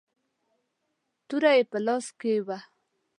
توره يې په لاس کې وه.